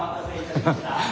ハハハッ。